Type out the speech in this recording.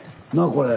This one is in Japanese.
これ。